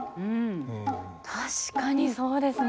確かにそうですね。